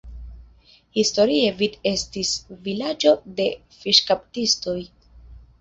Historie Vic estis vilaĝo de fiŝkaptistoj.